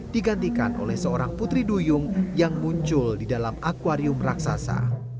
digantikan oleh seorang putri duyung yang muncul di dalam akwarium raksasa